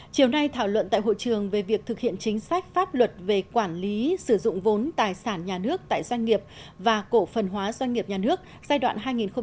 chiều nay thảo luận tại hội trường về việc thực hiện chính sách pháp luật về quản lý sử dụng vốn tài sản nhà nước tại doanh nghiệp và cổ phần hóa doanh nghiệp nhà nước giai đoạn hai nghìn một mươi sáu hai nghìn một mươi tám